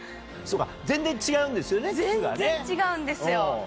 そうか、全然違うんですよね、全然違うんですよ。